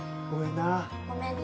ごめんな